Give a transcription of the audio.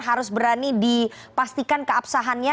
harus berani dipastikan keabsahannya